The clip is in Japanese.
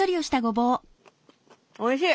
おいしい！